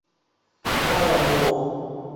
浅圆盘螺为内齿螺科圆盘螺属的动物。